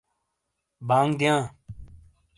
بانگ رزیاں/دِیئاں